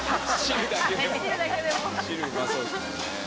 「汁うまそうですもんね」